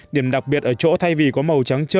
điểm đặc biệt ở chỗ thay vì có màu trắng chữ